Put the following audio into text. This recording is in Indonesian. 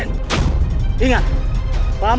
ingat paman ini bukan musuh raden